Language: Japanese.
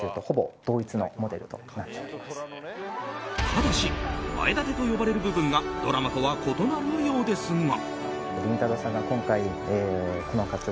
ただし前立てと呼ばれる部分がドラマとは異なるようですが。